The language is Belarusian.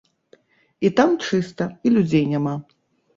І там чыста і людзей няма.